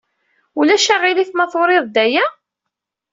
Ulac aɣilif ma turid-d aya?